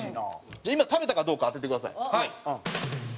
じゃあ今食べたかどうか当ててください。